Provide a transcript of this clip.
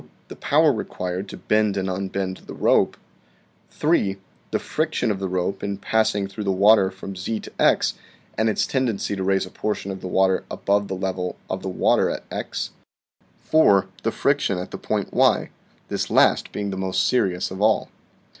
The power required to bend and unbend the rope. 3. The friction of the rope in passing through the water from z to x and its tendency to raise a portion of the water above the level of the water at x, PERPETUAL MOTION 6l 4. The friction at the point y, this last being the most serious of all.